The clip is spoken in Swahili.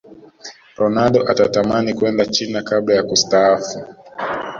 ronaldo atatamani kwenda china kabla ya kustaafu